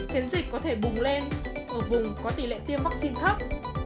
khiến dịch có thể bùng lên ở vùng có tỷ lệ tiêm vắc xin thấp